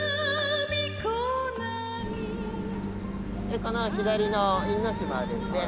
この左の因島はですね